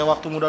aku gak susah